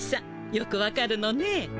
よくわかるのね。